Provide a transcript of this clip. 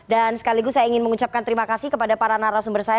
dan sekaligus saya ingin mengucapkan terima kasih kepada para narasumber saya